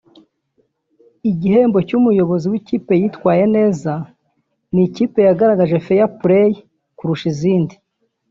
n’igihembo cy’umuyobozi w’ikipe witwaye neza n’ikipe yagaragaje Fair play kurusha izindi